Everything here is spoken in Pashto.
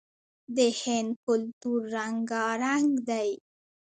د هند کلتور رنګارنګ دی.